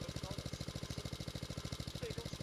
董昌因功补石镜镇将。